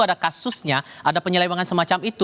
ada kasusnya ada penyelewangan semacam itu